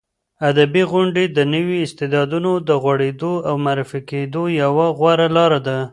ادبي غونډې د نویو استعدادونو د غوړېدو او معرفي کېدو یوه غوره لاره ده.